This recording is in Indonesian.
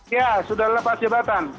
iya sudah lepas jabatan